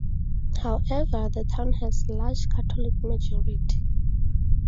However, the town has a large Catholic majority.